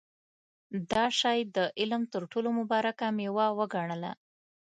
دا شی د علم تر ټولو مبارکه مېوه وګڼله.